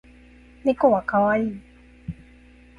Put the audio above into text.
猫は可愛い